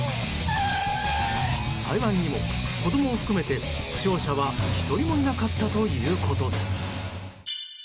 幸いにも子供を含めて負傷者は１人もいなかったということです。